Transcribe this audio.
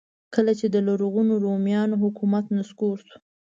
کله چې د لرغونو رومیانو حکومت نسکور شو.